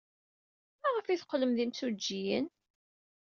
Maɣef ay teqqlem d imsujjiyen?